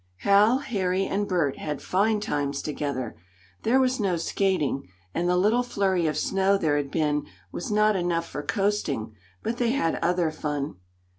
Hal, Harry, and Bert had fine times together. There was no skating, and the little flurry of snow there had been was not enough for coasting, but they had other fun.